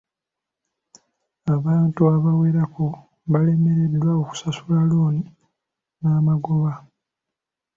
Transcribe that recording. Abantu abawerako balemereddwa okusasula looni n'amagoba.